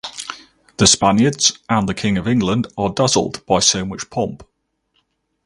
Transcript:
The Spaniards and the king of England are dazzled by so much pomp.